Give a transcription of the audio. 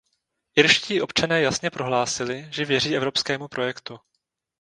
Irští občané jasně prohlásili, že věří evropskému projektu.